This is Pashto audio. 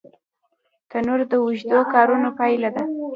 تنور د اوږدو کارونو پایله ده